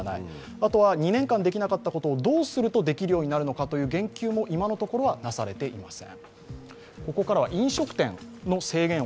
あとは２年間できなかったことをどうするとできるようになるかという言及も今のところはなされていません。